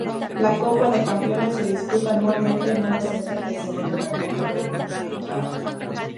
La Copa de Campeones se disputa anualmente en una sede designada como terreno neutral.